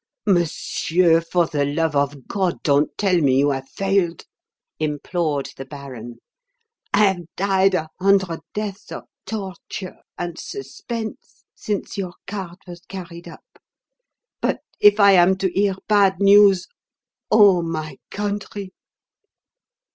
"Monsieur, for the love of God, don't tell me you have failed," implored the baron. "I have died a hundred deaths of torture and suspense since your card was carried up. But if I am to hear bad news ... Oh, my country!"